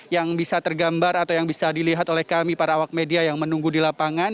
yang bisa tergambar atau yang bisa dilihat oleh kami para awak media yang menunggu di lapangan